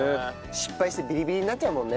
失敗してビリビリになっちゃうもんね。